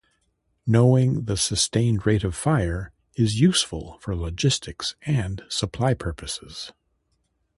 Knowing the sustained rate of fire is useful for logistics and supply purposes.